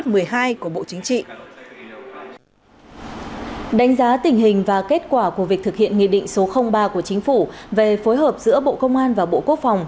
đã tỉnh hình và kết quả của việc thực hiện nghị định số ba của chính phủ về phối hợp giữa bộ công an và bộ quốc phòng